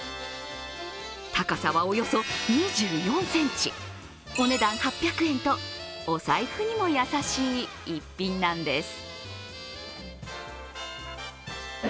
高さはおよそ２４ｃｍ、お値段８００円と、お財布にも優しい一品なんです。